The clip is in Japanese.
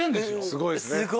すごい。